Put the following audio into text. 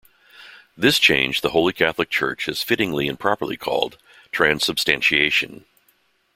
This change the holy Catholic Church has fittingly and properly called transubstantiation.